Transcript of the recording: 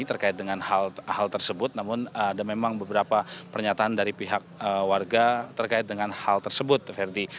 terkait dengan hal tersebut namun ada memang beberapa pernyataan dari pihak warga terkait dengan hal tersebut verdi